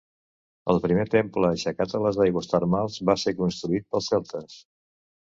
El primer temple aixecat a les aigües termals va ser construït pels celtes.